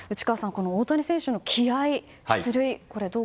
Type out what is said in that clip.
この大谷選手の気合、出塁